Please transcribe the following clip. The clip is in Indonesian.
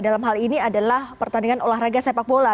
dalam hal ini adalah pertandingan olahraga sepak bola